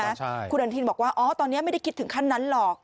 ใช่คุณอนุทินบอกว่าอ๋อตอนนี้ไม่ได้คิดถึงขั้นนั้นหรอก